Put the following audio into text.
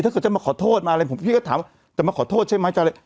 ถ้าเกิดจะมาขอโทษมาอะไรผมพี่ก็ถามว่าจะมาขอโทษใช่ไหม